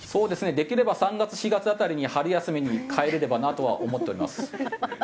できれば３月４月辺りに春休みに帰れればなとは思っております。